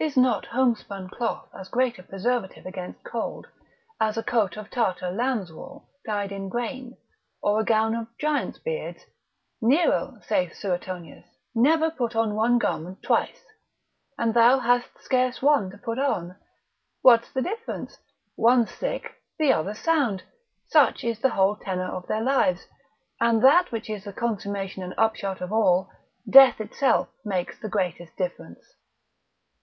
Is not homespun cloth as great a preservative against cold, as a coat of Tartar lamb's wool, died in grain, or a gown of giant's beards? Nero, saithSueton., never put on one garment twice, and thou hast scarce one to put on? what's the difference? one's sick, the other sound: such is the whole tenor of their lives, and that which is the consummation and upshot of all, death itself makes the greatest difference.